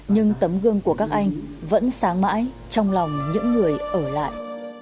nhưng tấm gương của các anh vẫn sáng mãi trong lòng những người ở lại